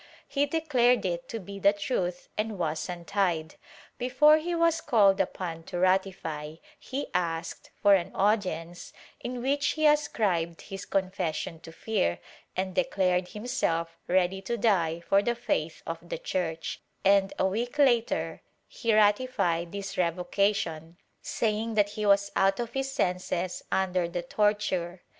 He declared it to be the truth and was untied. Before he was called upon to ratify, he asked for an audience in which he ascribed his confession to fear and declared himself ready to die for the faith of the Church, and a week later he ratified this revocation, saying that he was out of his senses under the torture.